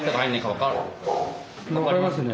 分かりますね。